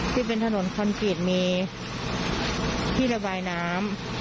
ที่เป็นถนนคอนกรีตมีที่ระบายน้ำ